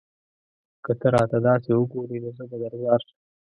که ته راته داسې وگورې؛ نو زه به درځار شم